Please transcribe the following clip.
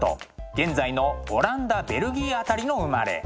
現在のオランダベルギー辺りの生まれ。